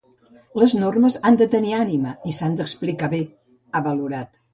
“Les normes han de tenir ànima i s’han d’explicar bé”, ha valorat.